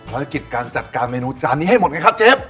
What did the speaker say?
ภารกิจการจัดการเมนูจานนี้ให้หมดไงครับเจ๊